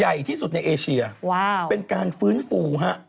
ใหญ่ที่สุดในเอเชียว่าเป็นการฟื้นฟูฮะ